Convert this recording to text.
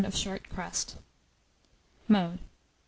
of short crust. Mode.